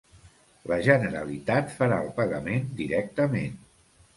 La Generalitat farà el pagament directament.